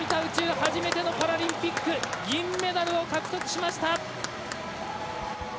初めてのパラリンピック銀メダルを獲得しました！